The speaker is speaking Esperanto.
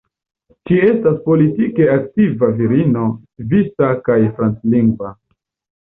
Ŝi estas politike aktiva virino svisa kaj franclingva.